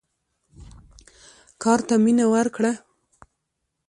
کار ته مینه ورکړه.